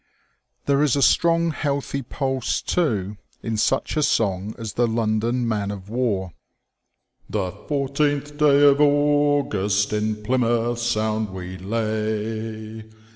There is a strong healthy pulse, too, in such a song as the ^* London Man of War." ••THE LONDON MAN OF WAR. " The fourteenth day of August in Plymouth Sound we lay.